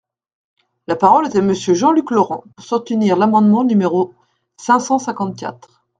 La parole est à Monsieur Jean-Luc Laurent, pour soutenir l’amendement numéro cinq cent cinquante-quatre.